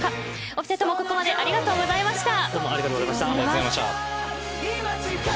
お２人ともここまでありがとうございました。